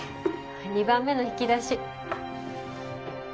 ２番目の引き出し